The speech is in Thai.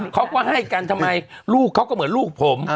เขาก็ให้กันทำไมลูกเขาก็เหมือนลูกผม